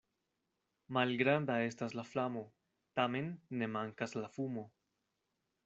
Malgranda estas la flamo, tamen ne mankas la fumo.